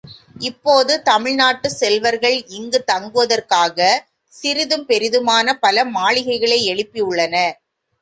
இப்போது தமிழ்நாட்டுச் செல்வர்கள் இங்குத் தங்குவதற்காகச் சிறிதும் பெரிதுமான பலமாளிகைகளை எழுப்பியுள்ளனர்.